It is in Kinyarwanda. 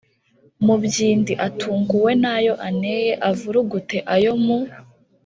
mubyindi/ atungwe n'ayo aneye/ avurugute ayo mu